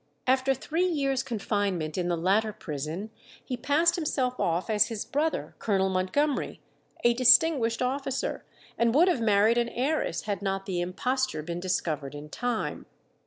After three years' confinement in the latter prison he passed himself off as his brother, Colonel Montgomery, a distinguished officer, and would have married an heiress had not the imposture been discovered in time.